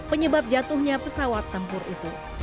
penyebab jatuhnya pesawat tempur itu